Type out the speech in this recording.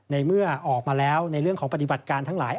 ในเมื่อออกมาแล้วในเรื่องของปฏิบัติการทั้งหลาย